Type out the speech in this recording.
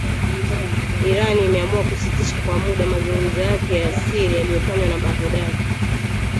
Iran imeamua kusitisha kwa muda mazungumzo yake ya siri yaliyofanywa na Baghdad.